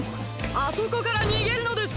あそこからにげるのです！